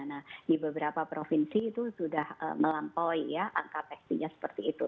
nah di beberapa provinsi itu sudah melampaui ya angka testingnya seperti itu